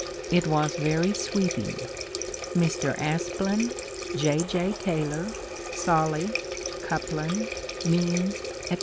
It was very sweeping. Mr. Aspland, J. J. Taylor, Solly, Coupland, Means, etc.